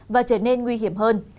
và trở nên nguy hiểm hơn